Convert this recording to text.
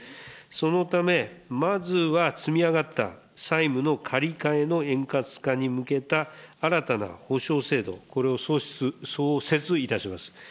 そのため、まずは、積み上がった債務の借り換えの円滑化に向けた新たなほしょう制度、これを創設いたします。